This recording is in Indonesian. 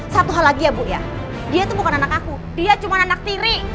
satu hal lagi ya bu ya dia itu bukan anak aku dia cuma anak tiri